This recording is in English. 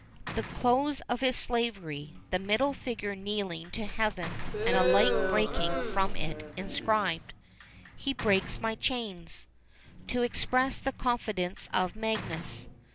The close of his slavery. The middle figure kneeling to Heaven, and a light breaking from it, inscribed, "He breaks my chains," to express the confidence of Magius.